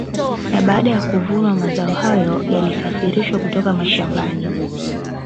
Na baada ya kuvunwa mazao hayo yalisafirishwa kutoka mashamabani